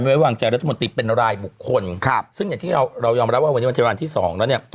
ไม่ไว้วางแจรัฐมนตร์เป็นรายบุคคลซึ่งอย่างที่เรายอมรับว่าวันนี้วันที่๒แล้วเนี่ย